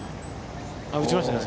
打ちましたね。